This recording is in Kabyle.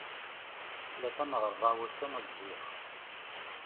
Tlata neɣ rebεa n wussan ad d-zziɣ.